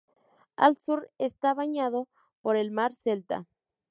Al sur está bañado por el Mar Celta.